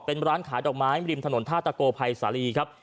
เป็นร้านขายดอกไม้ริมถนนท่าตะโกภัยสาลีครับ